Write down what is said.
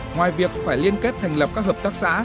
ngoài việc phải liên kết thành lập các hợp tác xã